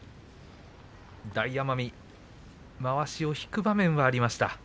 大奄美、まわしを引く場面もありました。